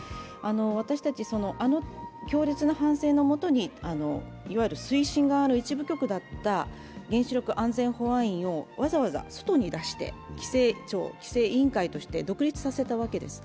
私たち、あの強烈な反省のもとにいわゆる推進側の一部局だった原子力安全保安院をわざわざ外に出して規制庁、規制委員会として独立させたわけです。